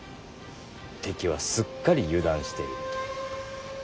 敵はすっかり油断している。